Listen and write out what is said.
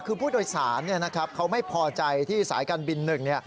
คือผู้โดยสารเขาไม่พอใจที่สายการบินหนึ่งเนี่ย